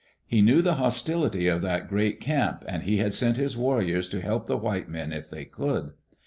He knew the hos tility of that great camp and he had sent his warriors to help the white men if they could.